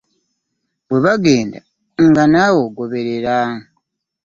Bwe bagenda nga naawe ogoberera.